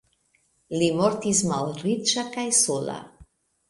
Li mortis malriĉa kaj sola.